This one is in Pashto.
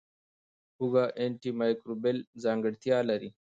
هوږه انټي مایکروبیل ځانګړتیا لري.